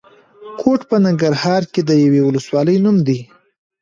کوټ په ننګرهار کې د یوې ولسوالۍ نوم دی.